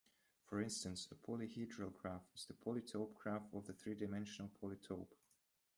For instance, a polyhedral graph is the polytope graph of a three-dimensional polytope.